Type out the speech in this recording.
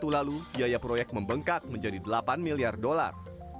dua ribu dua puluh satu lalu biaya proyek membengkak menjadi delapan miliar dolar